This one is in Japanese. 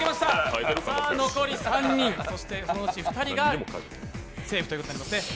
残り３人、そのうち２人がセーフになりますね。